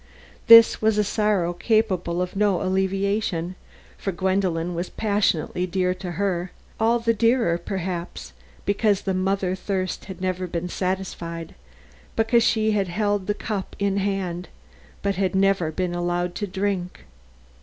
This was a sorrow capable of no alleviation, for Gwendolen was passionately dear to her, all the dearer, perhaps, because the mother thirst had never been satisfied; because she had held the cup in hand but had never been allowed to drink.